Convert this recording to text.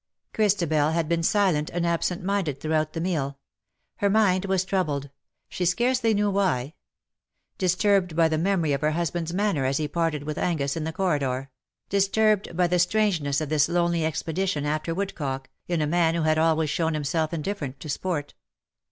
Christabel had been silent and absent minded throughout the meal. Her mind was troubled — she scarcely knew why ; disturbed by the memory of her husband's manner as he parted with Angus in the corridor; disturbed by the strangeness of this lonely expedition after woodcock, in a man who had always shown himself indifferent to sport.